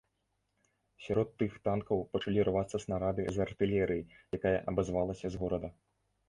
Сярод тых танкаў пачалі рвацца снарады з артылерыі, якая абазвалася з горада.